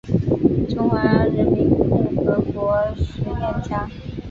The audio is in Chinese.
中华人民共和国实业家。